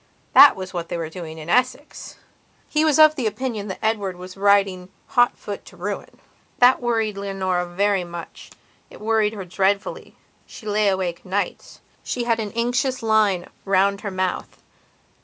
That was what they were doing in Essex. He was of opinion that Edward was riding hotfoot to ruin. That worried Leonora very muchit worried her dreadfully; she lay awake nights; she had an anxious line round her mouth.